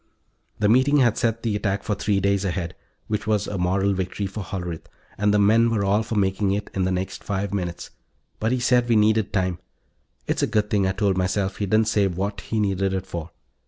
The meeting had set the attack for three days ahead, which was a moral victory for Hollerith; the men were all for making it in the next five minutes. But he said he needed time it's a good thing, I told myself, that he didn't say what he needed it for.